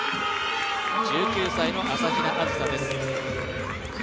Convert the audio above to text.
１９歳の朝比奈あずさです。